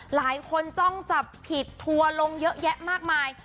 หลายคนจ้องจับผิดทัวลงเยอะแยะมากมาย